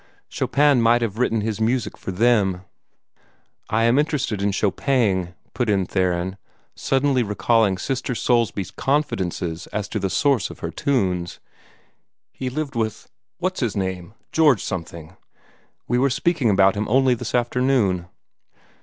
Chopin might have written his music for them." "I am interested in Shopang," put in Theron, suddenly recalling Sister Soulsby's confidences as to the source of her tunes. "He lived with what's his name George something. We were speaking about him only this afternoon."